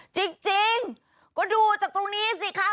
จริงก็ดูจากตรงนี้สิคะ